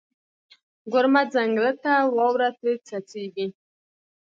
ګورمه ځنګله ته، واوره ترې څڅیږي